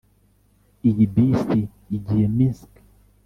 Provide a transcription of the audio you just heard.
Iyi bisi igiye Minsk